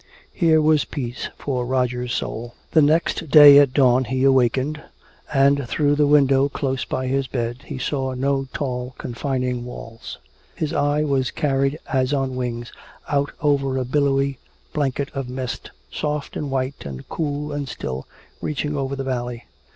Here was peace for Roger's soul. The next day at dawn he awakened, and through the window close by his bed he saw no tall confining walls; his eye was carried as on wings out over a billowy blanket of mist, soft and white and cool and still, reaching over the valley.